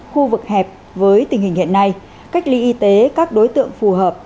khu vực hẹp với tình hình hiện nay cách ly y tế các đối tượng phù hợp